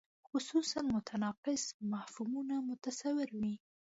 خصوصاً متناقض مفهومونه متصور وي.